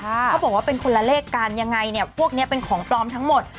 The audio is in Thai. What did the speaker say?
เขาบอกว่าเป็นคนละเลขกันยังไงเนี่ยพวกนี้เป็นของปลอมทั้งหมด